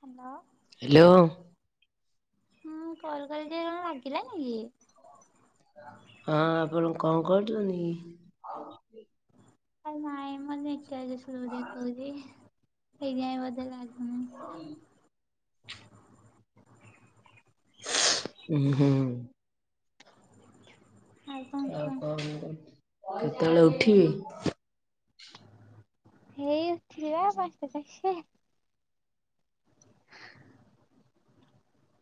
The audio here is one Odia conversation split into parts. ହାଲୋ। ହାଲୋ। ହଁ କଲ କଲି ଯେ କଣ ଲାଗିଲା ନି କି? ହଁ ଆପଣ କଣ କରୁଛନ୍ତି? ନାଇଁ ମାନେ ଏକଧ [inaudible] କହୁଛି ହେଇଯାଇ ବୋଧେ ଲାଗୁନି। [inaudible] ଉଁ ହୁଁ। କଣ ଆଉ କୁହ କଣ କେତେବେଳେ ଉଠିବେ? ହେଇ ଉଠିବା [unintelligible]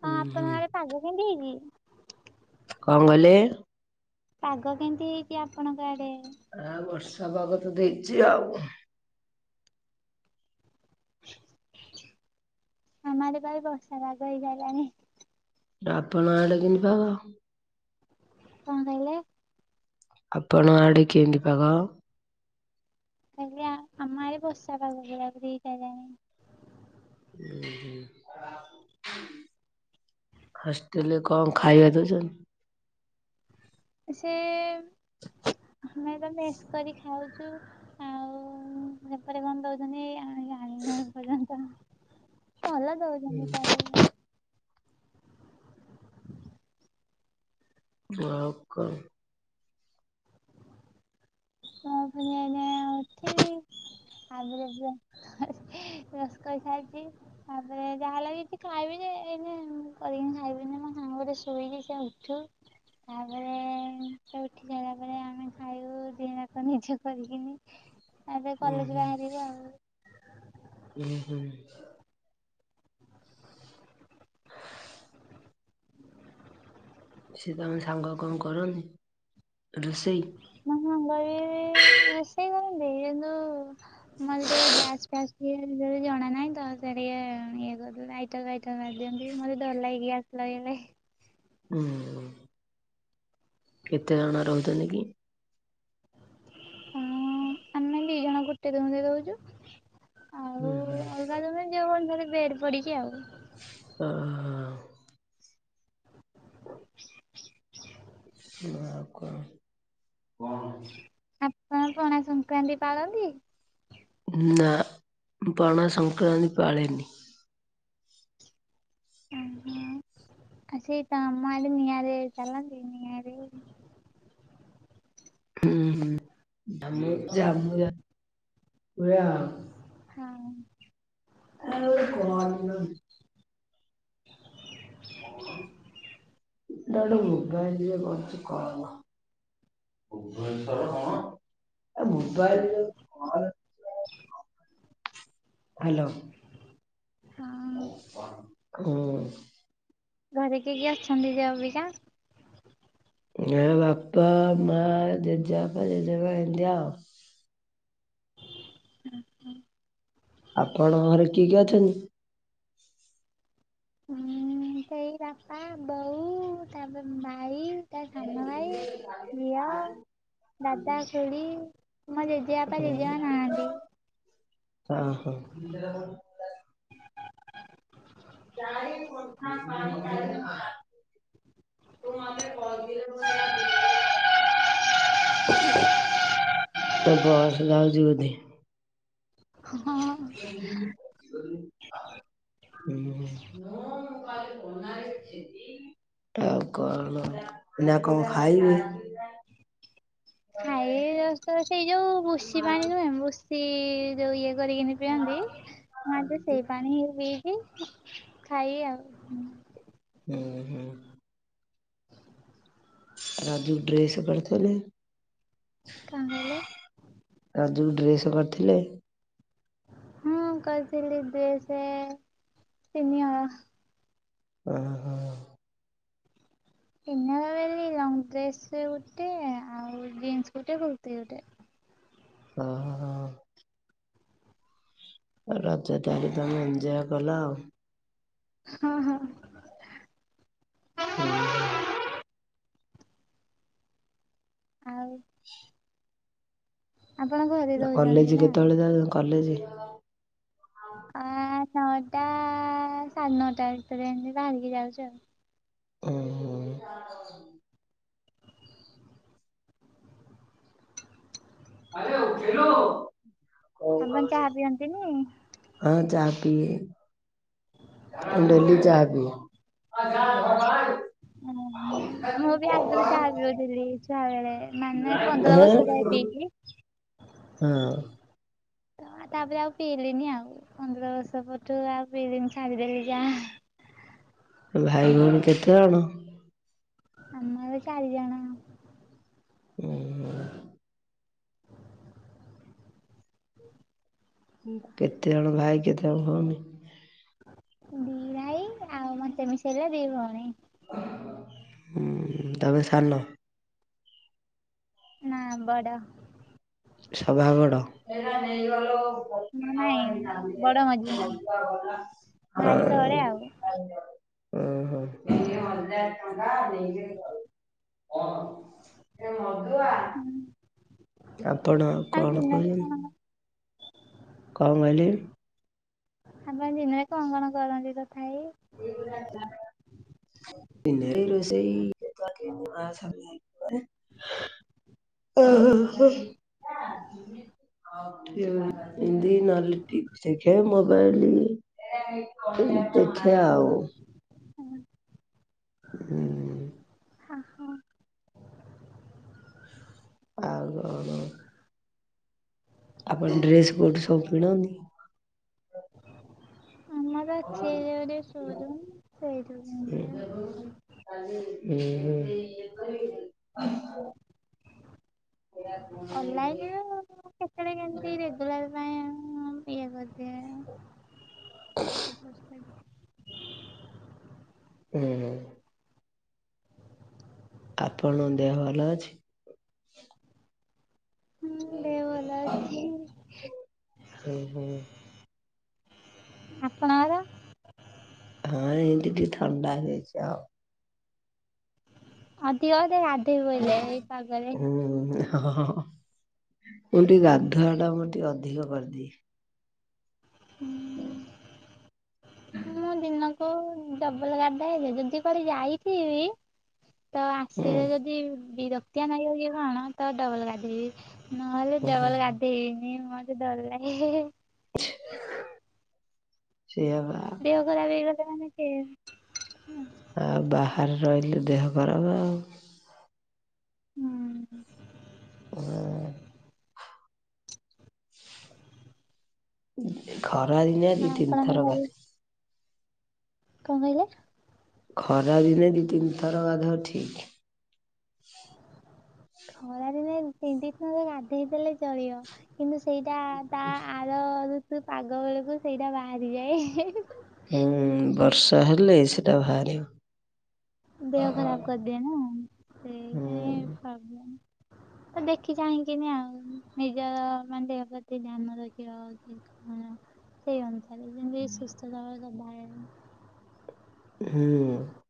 ହଁ ଉଁ ହୁଁ ଆପଣଙ୍କ ଆଡେ ପାଗ କେମିତି ହେଇଛି? କଣ କହିଲେ? ପାଗ କେମିତି ହେଇଛି ଆପଣଙ୍କ ଆଡେ? ଆଉ ବର୍ଷା ପାଗ ତ ଦେଇଛି ଆଉ। ଆମ ଆଡେ କାଳେ ବର୍ଷା ପାଗ ହେଇ ସାରିଲାଣି। ଆପଣଙ୍କ ଆଡେ କେମିତି ପାଗ? କଣ କହିଲେ? ଆପଣଙ୍କ ଆଡ଼େ କେମିତି ପାଗ? ଆଜ୍ଞା ଆମ ଆଡେ ବର୍ଷାପାଗ ଉଁ ହୁଁ। ହଷ୍ଟେଲରେ କଣ ଖାଇବା ଦଉଛନ୍ତି? ସେ ଆମେ ତ ମେସ୍ କରି ଖାଉଛୁ, ଆଉ ତାପରେ କଣ ଦଉଛନ୍ତି ଆଣିନ [unintelligible] ପର୍ଯ୍ୟନ୍ତ, ଭଲ ଦଉଛନ୍ତି ପରେ ୱାଓ କ ମୁଁ ପୁଣି ଏଇନା ଉଠିଲି, ଆଗରେ ପୁରା କରି ଖାଇଛି, ତାପରେ ଯାହା ହେଲେ ବି କିଛି ଖାଇବି ଯେ, ଏଇନେ କରିକି ଖାଇବିିନି ମୋ ସାଙ୍ଗ ଗୋଟେ ଶୋ ଶୋଇଛି ସେ ଉଠୁ। ତାପରେ ସେ ଉଠି ସାରିଲା ପରେ, ଆମେ ଖାଇବୁ ଦିଇ ଜ ନିଜେ କରିକିନି। ଏବେ ଉଁ କଲେଜ ହୁଁ ବାହାରିବୁ ଉଁ ହୁଁ। ଆଉ। ସିଏ ତମ ସାଙ୍ଗ କଣ କରନ୍ତି? ରୋଷେଇ ମୋ ସାଙ୍ଗ ବି ରୋଷେଇ କରେ ଯେହେତୁ ମତେ ଟିକେ ଗ୍ୟାସ୍ ଫ୍ୟାସ୍ ତିଆରି [unintelligible] ଜଣା ନାହିଁ ତ, ସେ ଟିକେ ଇଏ ଲାଇଟର ବାଇଟର ମାରି ଦିଅନ୍ତି, ମତେ ଡର ଲାଗେ ଗ୍ୟାସ୍ ଲଗେଇଲେ। ହୁଁ କେତେ ଜଣ ରହୁଛନ୍ତି କି? ଉଁ ଆମେ ଦି ଜଣ ଗୋଟେ ରୁମରେ ରହୁଛୁ। ଉଁ ଆଉ ହୁଁ ଅଲଗା ରୁମରେ ଯୋଉଁ ମାନେ ବେଡ୍ ପଡିଛି ଆଉ। ହ ହଉ। ଆଉ କଣ? ଆପଣ ପଣା ସଂକ୍ରାନ୍ତି ପାଳନ୍ତି? ନା ପଣା ସଂକ୍ରାନ୍ତି ପାଳେନି। ଉଁ - ହୁଁ। ଆଛା ଏ ତମ ଆଡ଼େ ନିଆଁରେ ଚାଲନ୍ତି, ନିଆଁରେ? ହୁଁ-ହୁଁ ଆମର ଝାମୁ ଯାତ୍ରା ଆଉ। ହଁ ଆ ହଁ କ [inaudible] [inaudible] ହଁ ଓ। ଭବେଶ୍ୱର କଣ ଏ ମୁଂବାଇଁ ହେଲୋ। ହଁ। ହୁଁ। ଘରେ କିଏ କିଏ ଅଛନ୍ତି ଯେ ଅବିକା? ହଁ ବାପା, ମା, ଜେଜେବାପା, ଜେଜେମା ଏମିତି ଆଉ। ହୁ- ହୁଁ। ଆପଣଙ୍କ ଘରେ କିଏ କିଏ ଅଛନ୍ତି? ହୁଁ ସେଇ ବାପା, ବୋଉ ତାପରେ ଭାଇ ତାପରେ ସାନ ଭାଇ, ଝିଅ, ଦାଦା, ଖୁଡି ମୋ ଜେଜେବାପା ହୁଁ ଜେଜେମା ନାହାନ୍ତି। - ଅ - ହଁ। [unintelligible] ତୁେ ପ ଦ ଦିଲ [unintelligible] ଆଉ ବସ୍ ଯାଉଛି ବୋଧେ? [inaudible] ହ [inaudible] ଉଁ- ହୁଁ। ଆଉ କଣ, ଏଇନା କଣ ଖାଇବୁ? ହ [inaudible] ହ [inaudible] ଏଇ ଜଷ୍ଟ ସେଇ ଯୋଉ ଭୁସି ପାଣି ନୁହେଁ, ଭୁସି ଯୋଉ ଇଏ କରିକିନି ପିଅନ୍ତି, ମୁଁ ଆଜି ସେଇ ପାଣି ହି ପି ଛି ଖାଇବି ଆଉ। ହୁଁ ହୁଁ। ରଜ କୁ ଡ୍ରେସ୍ କରିଥିଲେ? କଣ କହିଲେ? ରଜକୁ ଡ୍ରେସ କରିଥିଲେ? ହୁଁ କରିଥିଲି ଡ୍ରେସ ତିନି ହଳ। ଓ ହୋ। ଇନର୍ ବୋଲି ଲଙ୍ଗ ଡ୍ରେସ ଗୋଟେ ଆଉ ଜିନ୍ସ ଗୋଟେ କୁର୍ତିୀ ଗୋଟେ। ଓହୋ। ରଜ ଟା ହିଁ ତମେ ଏଞ୍ଜୟ୍ କଲ ଆଉ। ହଁ, ହଁ। ଉହୁଁ। ଆଉ? ଆପଣ ଘରେ ରହୁଛନ୍ତି କଲେଜ ନା? କେତେବେଳେ ଯାଉଚ କଲେଜ? ଆ ନଅଟା ସାଢ଼େ ନଅଟା ଭିତରେ ଏମିତି ବାହାରିକି ଯାଉଚୁ ଆଉ। ଉହୁଁ। କଣ ଆପଣ କରୁଚ? ଚାହା ପିଅନ୍ତିନି ହଁ ଚା ପିଏ। ଓହୋ। ଡେଲି ଚା ପିଏ। ହେଁ ହଁ ଓହୋ ଛୁଆବେଳେ ମାନେ ପନ୍ଦର ବର୍ଷ ତଳେ ପିଥିଲି ତାପରେ ଆଉ ପିଇଲିନି ଆଉ। ପନ୍ଦର ବର୍ଷ ପରଠୁ ଆଉ ପିଇଲିନ ଛାଡିଦେଲି ଯା ଭାଇ ଭଉଣୀ କେତେ ଜଣ? ଆମର ଚାରିଜଣ। ଉହୁଁ। କେତେ ଜଣ ଭାଇ କେତେ ଜଣ ଭଉନି? ଦି ଭାଇ ଆଉ ମତେ ମିଶେଇଲେ ଦି ଭଉଣୀ। ହୁଁ ତମେ ସାନ? ନା ବଡ଼। ସଭା ବଡ? ହଁ ନାଇଁ ବଡ ମଝିଆ ଭାଇ ତଳେ ଆଉ। ଓହୋ। ଆପଣ ଆଉ କଣ ଦିନରେ କରୁଛନ୍ତି? କଣ କଣ କହିଲେ? ଆପଣ ଦିନରେ କଣ କଣ କରନ୍ତି ତଥାବି? ଦିନରେ ଏଇ ରୋଷେଇ ଓହୋ। ଏମିତି ନହେଲେ ଟିଭି ଦେଖେ ନହେଲେ ମୋବାଇଲ। ଏମି ଦେଖେ ଆଉ। ହୁଁ। ଓ ହୋ। ଆଉ କଣ? ଆପଣ ଡ୍ରେସ କୋଉଠୁ ସବୁ କିଣନ୍ତି? ଆମର ହୁଁ ଅଛି ଏଇ ଗୋଟେ ସୋରୁମ୍ ସେଇଠୁ କିନିଦିଏ ଆଉ। ଉହୁ। ଅନଲାଇନରେ କେତେବେଳେ କେମତି ରେଗୁଲାର ପାଇଁ ଇଏ କରିଦିଏ। ଉହୁଁ। ଆପଣ ଦେହ ଭଲ ଅଛି? ହୁଁ ଦେହ ଭଲ ଅଛି। ଉହୁଁ। ଆପଣଙ୍କର। ହଁ ଏମିତି ଟିକେ ଥଣ୍ଡା ହେଇଯାଇଛି ଆଉ। ଅଧିକ ବୋଧେ ଗାଧେଇ ପଇଲେ ଏଇ ପାଗରେ ହ ହ ହ ମୁଁ ଟିକେ ଗାଧୁଆ ଟା ମୁଁ ଟିକେ ଅଧିକ କରିଦିଏ। ମୁଁ ଦିନକୁ ଡବଲ ଗାଧାଏ ଯେ ଯଦି କୁଆଡେ ଯାଇଥିବି ତ ଆସିବେ ହୁଁ ଯଦି ବିରକ୍ତିଆ ନାଗିବ କି କଣ ତ ଡବଲ ଗାଧେଇବି। ନହେଲେ ହୁଁ ଡବଲ ଗାଧେଇବିନି ମଁତେ ଡର ଲାଗେ ହେ ହେ ହେ। ସେଇଆପରା କଣ କି ଉଁ ଆଉ ବାହାରେ ରହିଲେ ଦେହ ଖରାପେ ଆଉ ହୁଁ ହୁଁ ଖରା ଦିନିଆ ଦି ଆପଣଙ୍କ ତିନିଥର ଘରେ ଗାଧା କଣ କହିଲ? ଖରା ଦିନେ ଦି ତିନିଥର ଗାଧୁଆ ଠିକ ଖରା ଦିନେ ଦି ତିନି ଦିନି ଗାଧେଇ ଦେଲେ ଚଳିବ। କିନ୍ତୁ ସେଇଟା ତା ଆର ଋତୁ ପାଗ ବେଳକୁ ସେଇଟା ବାହାରିଯାଏ ହେ ହେ ହେ। ହୁଁ ବର୍ଷା ହେଲେ ସେଟା ବାହାରିିବ। ଦେହ ଖରାପ କରିଦିଏ ନା ହୁଁ ସେଇପାଇଁ ପ୍ରବଲେମ ତ ଦେଖି ଚାହିଁକିନି ଆଉ ନିଜର ମାନେ ଦେହ ପ୍ରତି ଧ୍ୟାନ ରଖିବା ଉଚିତ ଆଁ ସେଇ ଅନୁସାରେ ଯେମିତି ସୁସ୍ତସବଳ [unintelligible] ଏ [unintelligible]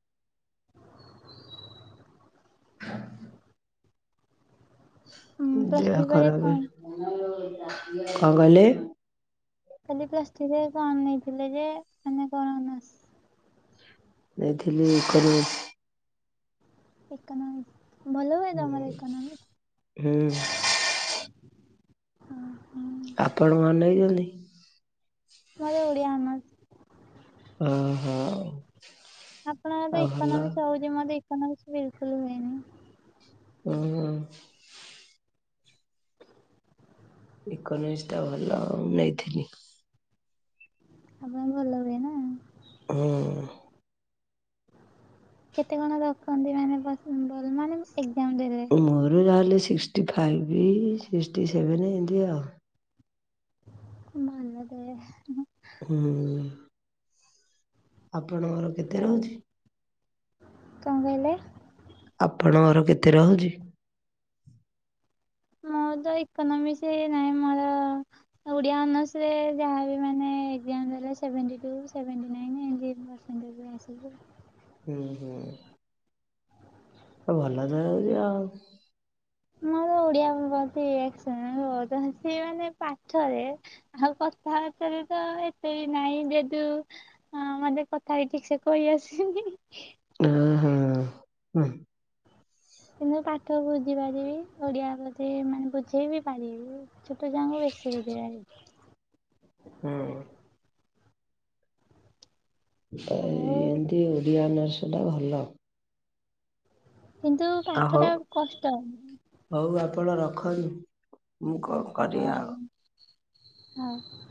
ଉଁ ପ୍ଲସ୍ ଦେହ ଥ୍ରୀ ପରେ ଖରାପରେ କଣ କଣ କହିଲେ? ଖାଲି ପ୍ଲସ ଥ୍ରି ରେ କଣ ନେଇଥିଲେ ଯେ ମାନେ କଣ ଅନର୍ସ? ଦେଇଥିଲି କ [inaudible] ଇକୋନୋମିକ ଭଲ ହୁଏ ହୁଁ ତମର ଇକୋନୋମିକ? ହୁଁ ଅ ହ ଆପଣ ମନେଇଛନ୍ତି? ମୋର ଓଡ଼ିଆ ଅନର୍ସ। ଆ ହା ଓ ଆପଣଙ୍କର ତ ଇୋନୋମିକ୍ସ ହୋଉଛି ମାତେ ଏକଇୋନମିକ୍ସ ବିଲକୁଲ ହୁଏନି। ହଁ ଇକୋନୋମିକ ଟା ଭଲ ମୁଁ ନେଇଥିଲି। ଆପଣ ଭଲ ହୁଏ ନା? ହୁଁ କେତେ କଣ ରଖନ୍ତି ମାନେ ଭଲ ମାନେ ଏକ୍ଜାମ ଦେଲେ? ମୋର ଯାହାହେଲେ ସିକ୍ସଟି ଫାଇଭ୍ ସିକ୍ସଟି ସେଭେନ ଏନ୍ତି ଆଉ। ଭଲ ତେବେ ହୁଁ ହୁଁ। ହୁଁ ଆପଣଙ୍କର କେତେ ଆଉ ରହୁଚି? କଣ କହିଲେ? ଆପଣଙ୍କର କେତେ ରହୁଛି? ମୋ ମୋର ତ ଇୋନମିକସ ହେଇନାଇ ମୋର ଓଡିଆ ଅନର୍ସରେ ଯାହାବି ମାନେ ଏକ୍ସାମ ମୋର ସେଭେଣ୍ଟୀ ଟୁ ସେଭେଣ୍ଟି ନାଇନି ଏମିତି ପରସେଣ୍ଟେଜ୍ ଆସୁଚି। ହୁଁ ହୁଁ ଆ ଭଲ ତ ଆଉଚି ଆଉ। ମୋର ଓଡିଆ ଭଲସେ [unintelligible] ବୋହୁତ ସିଏ ମାନେ ପାଠରେ ଆଉ ତା ଭାତରେ ତ ଏତେ ବି ନାଇଁ ଯେହେତୁ ମତେ କଥା ବି ଠିକ ସେ କହି ଆସୁନି। [inaudible] ହଁ ହଁ [inaudible] କିନ୍ତୁ ପାଠ ବୁଝି ପାରିବି ଓଡିଆ ବୋଲି ମାନେ ବୁଝେଇ ବି ପାରିବି। ଛୋଟ ଛୁଆଙ୍କୁ ବେଶୀ ବଝେଇପାରିବି। ହୁଁ। ଏଇ ଆଉ ଏମିତି ଓଡ଼ିଆ ଅନର୍ସ ଟା ଭଲ। କିନ୍ତୁ ଅ ହୋଉ ପାଠଟା କଷ୍ଟ। ହୋଉ ଆପଣ ରଖ ତ ମୁଁ କଣ କରିବି ଆ ହଁ।